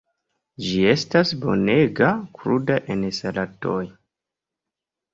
Ĝi estas bonega kruda en salatoj.